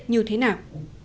như thế nào